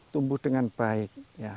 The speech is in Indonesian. tumbuh dengan baik